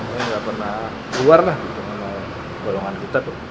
gak pernah keluar lah gitu sama golongan kita tuh